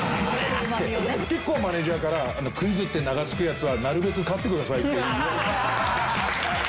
結構マネジャーから「クイズって名が付くやつはなるべく勝ってください」って言われる。